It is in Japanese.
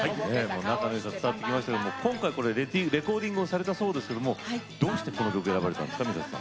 仲の良さ伝わってきますけども今回これレコーディングをされたそうですけどもどうしてこの曲選ばれたんですか？